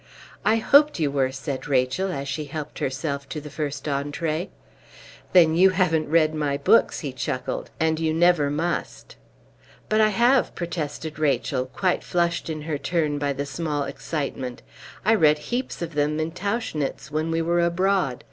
"I hoped you were," said Rachel, as she helped herself to the first entrée. "Then you haven't read my books," he chuckled, "and you never must." "But I have," protested Rachel, quite flushed in her turn by the small excitement. "I read heaps of them in Tauchnitz when we were abroad.